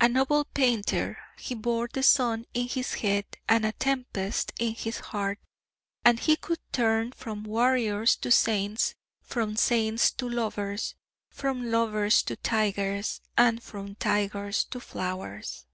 A noble painter, he bore the sun in his head and a tempest in his heart, and he could turn from warriors to saints, from saints to lovers, from lovers to tigers, and from tigers to flowers."